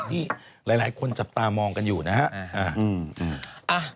ที่หลายคนจับตามองกันอยู่นะฮะ